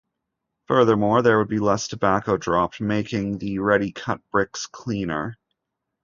Furthermore, there would be less tobacco dropped, making the ready cut bricks cleaner.